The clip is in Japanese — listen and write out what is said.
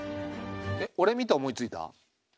えっ俺見て思いついた？